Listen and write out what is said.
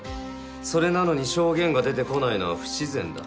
それなのに証言が出てこないのは不自然だ。